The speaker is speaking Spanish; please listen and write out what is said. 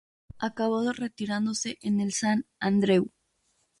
Acabó retirándose en el Sant Andreu.